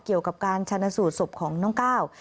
เกี่ยวกับการชนะสูตรศพของน้องก้าว